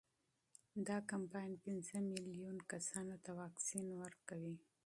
دا کمپاین پنځه میلیون کسانو ته واکسین ورکوي.